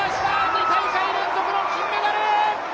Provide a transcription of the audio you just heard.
２大会連続の金メダル！